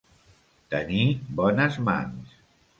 Tenir bones mans.